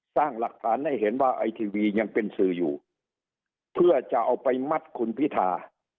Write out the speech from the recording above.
สร้างหลักฐานให้เห็นว่าไอทีวียังเป็นสื่ออยู่เพื่อจะเอาไปมัดคุณพิธา